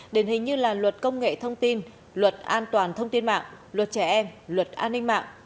đền hình như là luật công nghệ thông tin luật an toàn thông tin mạng luật trẻ em luật an ninh mạng